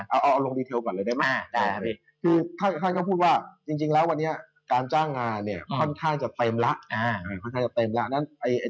เอาลงรีเทลก่อนเลยได้ไหมคือท่านก็พูดว่าจริงแล้ววันนี้การจ้างงานเนี่ยค่อนข้างจะเต็มแล้ว